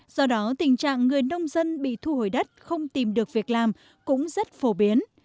do đó tình trạng người nông dân bị thu hồi đất không tìm được việc làm cũng rất phổ biến